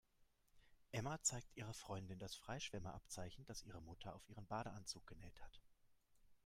Emma zeigt ihrer Freundin das Freischwimmer-Abzeichen, das ihre Mutter auf ihren Badeanzug genäht hat.